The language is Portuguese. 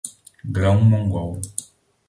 Grão Mogol